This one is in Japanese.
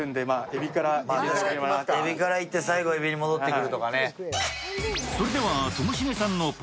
エビからいって最後エビに戻ってくるとかね。